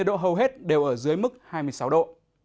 dưới mức hai mươi sáu độ